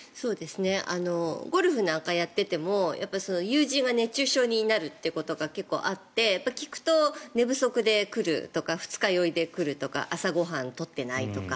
ゴルフなんかやっていても友人が熱中症になるということが結構あって聞くと、寝不足で来るとか二日酔いで来るとか朝ご飯取ってないとか。